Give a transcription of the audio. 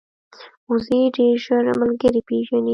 وزې ډېر ژر ملګري پېژني